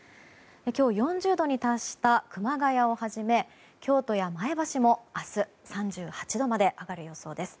今日、４０度に達した熊谷をはじめ京都や前橋も、明日３８度まで上がる予想です。